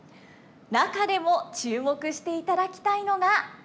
中でも注目していただきたいのがこの人物です。